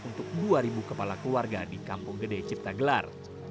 untuk dua kepala keluarga di kampung gede ciptagelar